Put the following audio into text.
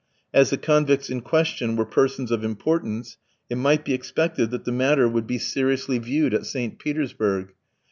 As the convicts in question were persons of importance, it might be expected that the matter would be seriously viewed at St. Petersburg.